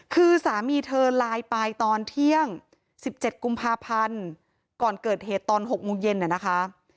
คือสามีเธอไลน์ไปตอนเที่ยง๑๗กุมภาพันธ์ก่อนเกิดเหตุตอน๖โมงเย็นนะคะ